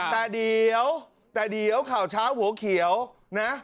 แต่เดี๋ยวแต่เดี๋ยวข่าวเช้าหัวเขียวนะ